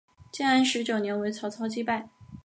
建安十九年为曹操击败。